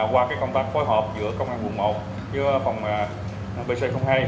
qua công tác phối hợp giữa công an quận một với phòng pc hai